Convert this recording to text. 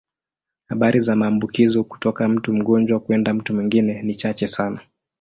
Habari za maambukizo kutoka mtu mgonjwa kwenda mtu mwingine ni chache sana.